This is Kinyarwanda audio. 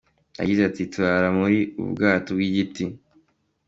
Yagize ati “Turara muri ubu bwato bw’igiti.